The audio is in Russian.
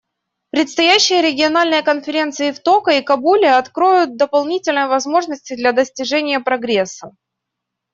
Предстоящие региональные конференции в Токио и Кабуле откроют дополнительные возможности для достижения прогресса.